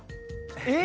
え？